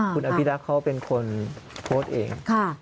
คุณอภิรักษ์เขาเป็นคนโพสต์เอง